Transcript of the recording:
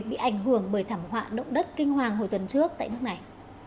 bị ảnh hưởng bởi thảm họa động đất kinh hoàng hồi tuần trước tại nước này